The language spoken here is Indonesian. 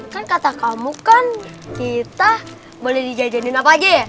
kan kata kamu kan kita boleh dijajanin apa aja ya